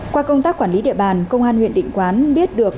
qua công tác quản lý địa bàn công an huyện định quán biết được